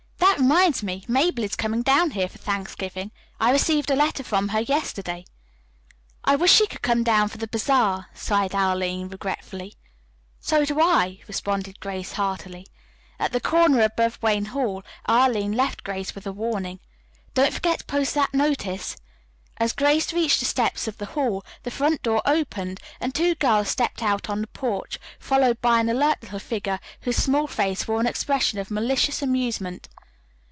That reminds me, Mabel is coming down here for Thanksgiving. I received a letter from her yesterday." "I wish she could come down for the bazaar," sighed Arline regretfully. "So do I," responded Grace heartily. At the corner above Wayne Hall Arline left Grace with a warning, "Don't forget to post that notice." As Grace reached the steps of the Hall the front door opened and two girls stepped out on the porch, followed by an alert little figure whose small face wore an expression of malicious amusement.